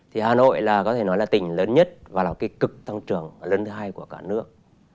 thì hà nội là tỉnh lớn nhất và là cái cực tăng trưởng lớn thứ hai của cả nước